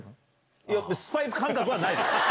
いや、スパイ感覚はないです。